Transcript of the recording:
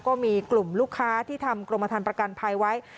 ก็มีกลุ่มลูกค้าที่ทำกรมฐานประกันภัยไว้